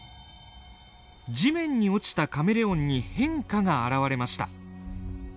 地面に落ちたカメレオンに変化が表れました。